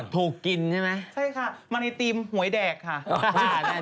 ถูกกินใช่ไหม